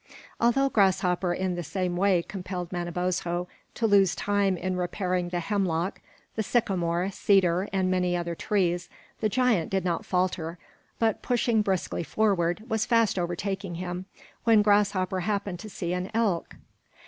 Although Grasshopper in the same way compelled Manabozho to lose time in repairing the hemlock, the sycamore, cedar, and many other trees, the giant did not falter, but pushing briskly forward, was fast overtaking him, when Grasshopper happened to see an elk.